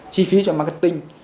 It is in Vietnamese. chi phí cho marketing